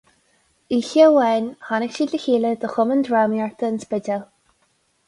Oíche amháin, tháinig siad le chéile de Chumann Drámaíochta an Spidéil.